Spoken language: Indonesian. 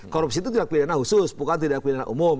korupsi itu tidak pidana khusus bukan tindak pidana umum